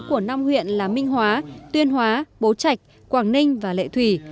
của năm huyện là minh hóa tuyên hóa bố trạch quảng ninh và lệ thủy